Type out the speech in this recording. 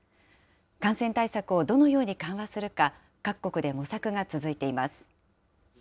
感染対策をどのように緩和するか、各国で模索が続いています。